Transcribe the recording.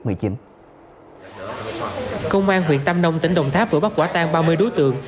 công an huyện tam nông tỉnh đồng tháp vừa bắt quả tang ba mươi đối tượng